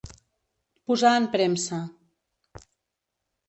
Posar en premsa.